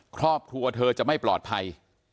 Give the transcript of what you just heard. ครอบครัวเธอจะไม่ปลอดภัย